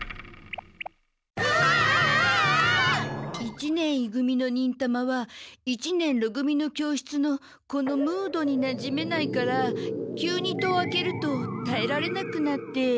一年い組の忍たまは一年ろ組の教室のこのムードになじめないから急に戸を開けるとたえられなくなって。